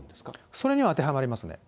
それには当てはまりますね。